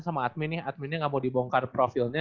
sama admin nih adminnya gak mau dibongkar profilnya